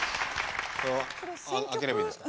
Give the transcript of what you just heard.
これは開ければいいですか？